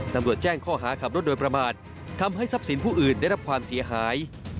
ตำรวจแจ้งข้อหาขับรถโดยประมาททำให้ทรัพย์สินผู้อื่นได้รับความเสียหาย